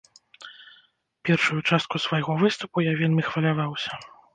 Першую частку свайго выступу я вельмі хваляваўся.